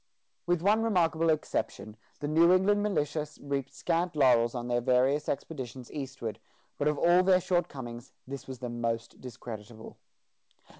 With one remarkable exception, the New England militia reaped scant laurels on their various expeditions eastward; but of all their shortcomings, this was the most discreditable.